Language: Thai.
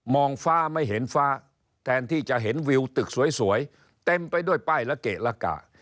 ฟ้าไม่เห็นฟ้าแทนที่จะเห็นวิวตึกสวยเต็มไปด้วยป้ายละเกะละกะ